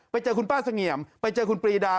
ไปเจอคุณป้าเสงี่ยมไปเจอคุณปรีดา